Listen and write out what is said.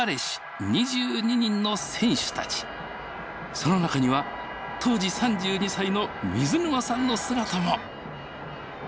その中には当時３２歳の水沼さんの姿も。